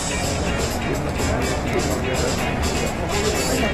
Con su firma concluyó la primera guerra mitridática.